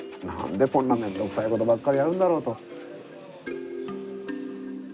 何でこんなめんどくさいことばっかりやるんだろうと。